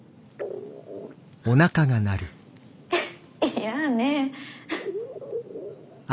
いやあね。